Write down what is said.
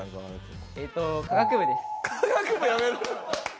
科学部やめる？